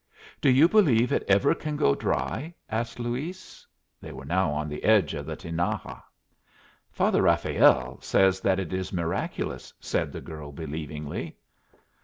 "Do you believe it ever can go dry?" asked Luis. They were now on the edge of the Tinaja. "Father Rafael says that it is miraculous," said the girl, believingly.